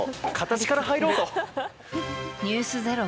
「ｎｅｗｓｚｅｒｏ」